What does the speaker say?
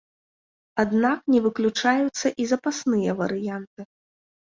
Аднак не выключаюцца і запасныя варыянты.